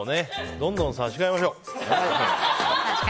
どんどん差し替えましょう！